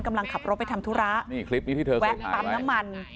กำลังขับรถไปทำธุระนี่คลิปนี้ที่เธอแวะปั๊มน้ำมัน